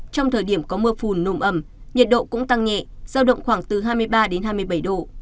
trong thời điểm có mưa phùn nồm ẩm nhiệt độ cũng tăng nhẹ giao động khoảng từ hai mươi ba đến hai mươi bảy độ